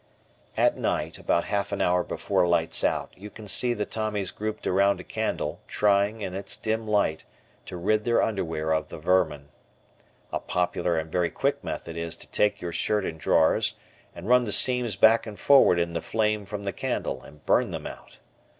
At night about half an hour before "lights out," you can see the Tommies grouped around a candle, trying, in its dim light, to rid their underwear of the vermin. A popular and very quick method is to take your shirt and drawers, and run the seams back and forward in the flame from the candle and burn them out.